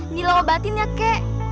nila obatin ya kek